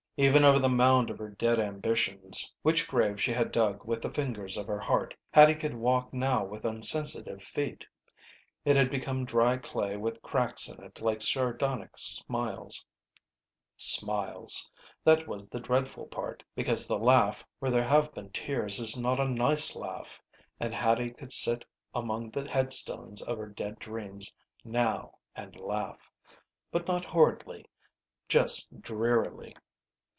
Even over the mound of her dead ambitions, which grave she had dug with the fingers of her heart, Hattie could walk now with unsensitive feet. It had become dry clay with cracks in it like sardonic smiles. Smiles. That was the dreadful part, because the laugh where there have been tears is not a nice laugh, and Hattie could sit among the headstones of her dead dreams now and laugh. But not horridly. Just drearily.